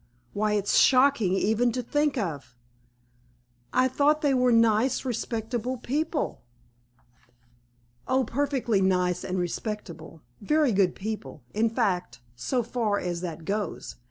Why it's shocking even to think of!" "I thought they were nice, respectable people." "O, perfectly nice and respectable, very good people, in fact, so far as that goes.